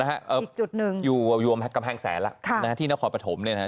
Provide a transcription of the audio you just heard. อีกจุดหนึ่งอยู่รวมกำแพงแสนแล้วที่นครปฐมเนี่ยนะฮะ